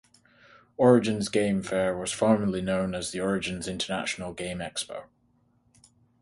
Origins Game Fair was formerly known as the Origins International Game Expo.